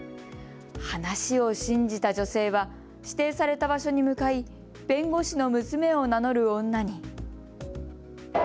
話を信じた女性は指定された場所に向かい弁護士の娘を名乗る女に。